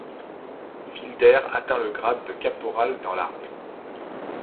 Wilder atteint le grade de caporal dans l'armée.